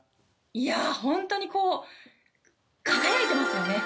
いやあホントにこう輝いてますよね！